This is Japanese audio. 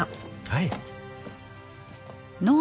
はい。